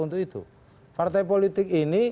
untuk itu partai politik ini